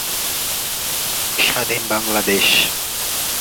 স্বাধীনতার পর তারা ছাড়া পান।